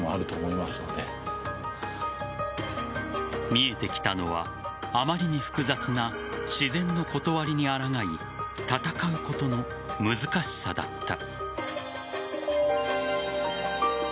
見えてきたのはあまりに複雑な自然のことわりにあらがい戦うことの難しさだった。